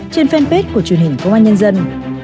trên fanpage của truyền hình công an nhân dân